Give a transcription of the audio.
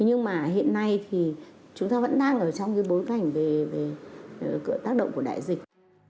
nhưng mà hiện nay thì chúng ta vẫn đang ở trong cái bối cảnh về tác động của đại dịch